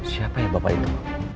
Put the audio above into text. siapa yang bapak itu